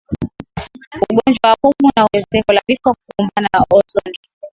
ugonjwa wa pumu na ongezeko la vifo Kukumbana na ozoni